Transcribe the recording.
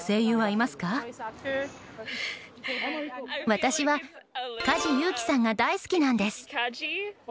私は梶裕貴さんが大好きなんです。